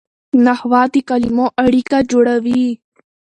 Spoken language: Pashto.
نحوه د کلیمو اړیکه جوړوي.